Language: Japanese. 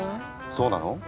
そうなの？